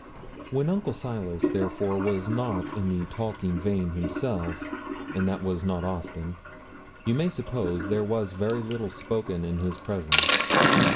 When Uncle Silas, therefore, was not in the talking vein himself and that was not often you may suppose there was very little spoken in his presence.